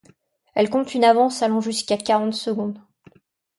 Elle compte une avance allant jusqu'à quarante secondes.